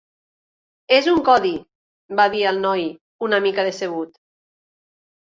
"És un codi", va dir el noi una mica decebut.